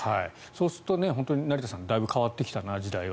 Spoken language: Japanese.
そうすると成田さんだいぶ時代は変わってきたなと。